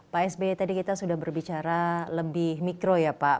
pak sby tadi kita sudah berbicara lebih mikro ya pak